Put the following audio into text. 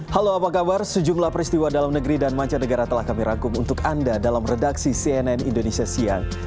halo apa kabar sejumlah peristiwa dalam negeri dan mancanegara telah kami rangkum untuk anda dalam redaksi cnn indonesia siang